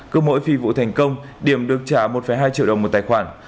cứ mỗi phi vụ thành công điểm được trả một hai triệu đồng một tài khoản